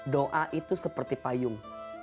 doa itu seperti payung